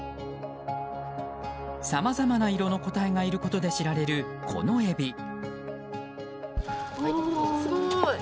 さまざまな色の個体がいることで知られるこのエビ。